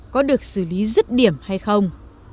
có được xử lý dứt điểm hay không